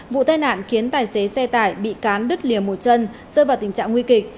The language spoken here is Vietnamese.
vụ tai nạn khiến tài xế xe tải bị cán đứt lìa một chân rơi vào tình trạng nguy kịch